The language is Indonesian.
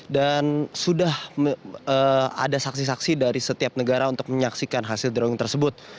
dan sudah ada saksi saksi dari setiap negara untuk menyaksikan hasil drawing tersebut